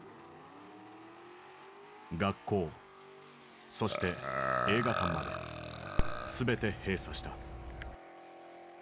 学校そして映画館まで全て閉鎖した。